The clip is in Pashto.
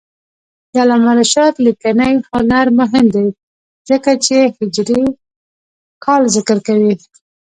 د علامه رشاد لیکنی هنر مهم دی ځکه چې هجري کال ذکر کوي.